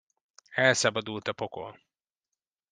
Elszabadult a pokol.